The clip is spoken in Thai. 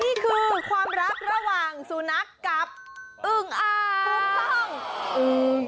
นี่คือความรักระหว่างสุนัขกับเอิ่งอาง